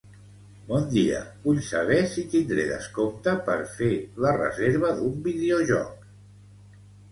Bon dia, vull saber si tindré descompte per fer la reserva d'un videojoc.